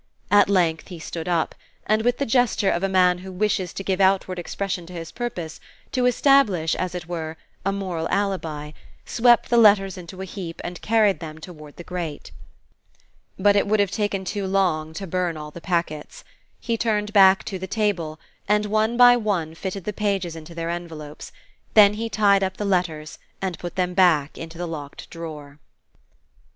At length he stood up, and with the gesture of a man who wishes to give outward expression to his purpose to establish, as it were, a moral alibi swept the letters into a heap and carried them toward the grate. But it would have taken too long to burn all the packets. He turned back to the table and one by one fitted the pages into their envelopes; then he tied up the letters and put them back into the locked drawer.